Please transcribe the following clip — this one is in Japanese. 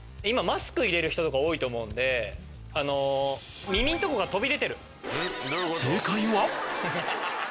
今マスク入れる人とか多いと思うんで耳のとこが飛び出てる。